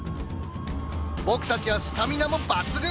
僕たちはスタミナも抜群！